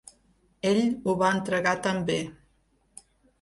Ell ho va entregar tan bé.